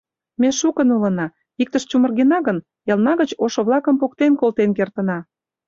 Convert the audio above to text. Ме шукын улына, иктыш чумыргена гын, элна гыч ошо-влакым поктен колтен кертына.